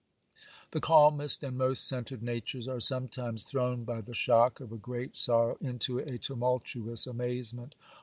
The calmest and most centred natures are sometimes thrown by the shock of a great sorrow into a tumultuous amazement.